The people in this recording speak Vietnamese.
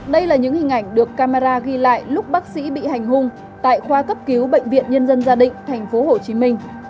đây là những hình ảnh được camera ghi lại lúc bác sĩ bị hành hung tại khoa cấp cứu bệnh viện nhân dân gia định tp hcm